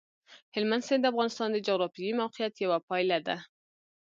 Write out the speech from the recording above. هلمند سیند د افغانستان د جغرافیایي موقیعت یوه پایله ده.